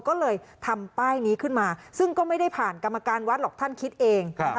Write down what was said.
ก็เลยทำป้ายนี้ขึ้นมาซึ่งก็ไม่ได้ผ่านกรรมการวัดหรอกท่านคิดเอง